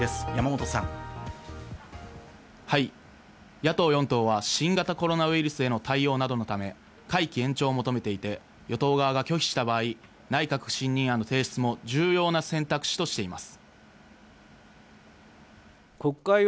野党４党は新型コロナウイルスへの対応のため、会期延長を求めていて、与党側が拒否した場合、内閣不信任案の提出も重要な選択肢としています。